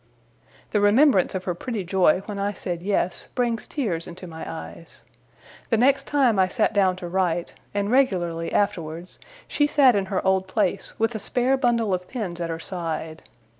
The remembrance of her pretty joy when I said yes, brings tears into my eyes. The next time I sat down to write, and regularly afterwards, she sat in her old place, with a spare bundle of pens at her side.